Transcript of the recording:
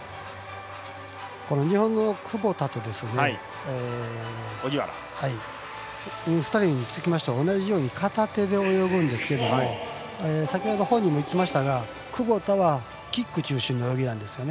日本の窪田と荻原の２人は同じように片手で泳ぐんですけど先ほど本人も言っていましたが窪田はキック中心の泳ぎなんですよね。